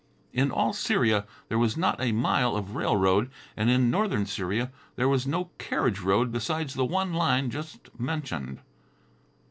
In all Syria there was not a mile of railroad, and in northern Syria there was no carriage road besides the one line just mentioned.